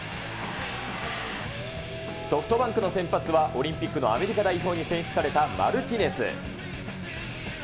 ソフトバンクの先発はオリンピックのアメリカ代表に選出されたマルティネス。